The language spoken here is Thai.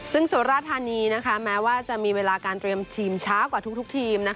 ซึ่งสุราธานีแม้ว่าจะมีเวลาการเตรียมทีมช้ากว่าทุกทีม